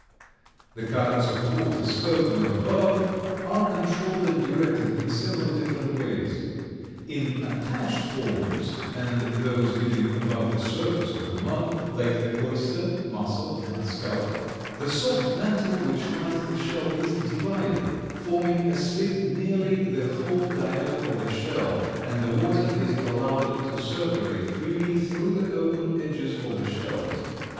The currents of water spoken of above are controlled and directed in several different ways. In attached forms, and those living above the surface of the mud, like the oyster, mussel and scallop, the soft mantle which lines the shell is divided, forming a slit nearly the whole diameter of the shell, and the water is allowed to circulate freely through the open edges of the shells.